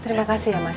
terima kasih ya mas